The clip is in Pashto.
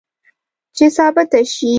چې ثابته شي